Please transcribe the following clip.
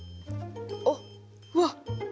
あっうわっ！